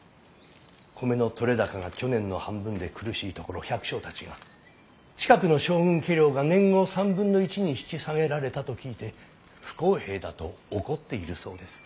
米の取れ高が去年の半分で苦しいところ百姓たちが近くの将軍家領が年貢を３分の１に引き下げられたと聞いて不公平だと怒っているそうです。